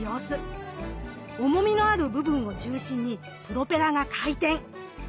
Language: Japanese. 重みのある部分を中心にプロペラが回転。